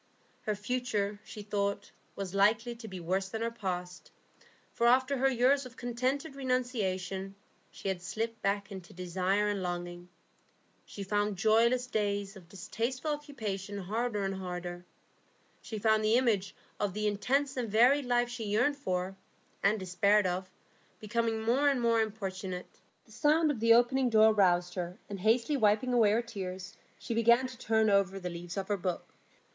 Her future, she thought, was likely to be worse than her past, for after her years of contented renunciation, she had slipped back into desire and longing; she found joyless days of distasteful occupation harder and harder; she found the image of the intense and varied life she yearned for, and despaired of, becoming more and more importunate. The sound of the opening door roused her, and hastily wiping away her tears, she began to turn over the leaves of her book.